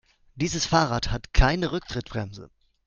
Dieses Fahrrad hat keine Rücktrittbremse.